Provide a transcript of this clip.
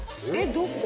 どこ？